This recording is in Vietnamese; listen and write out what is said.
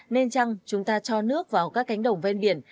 nên chăng chúng ta cho nước vào các cánh đồng ven biển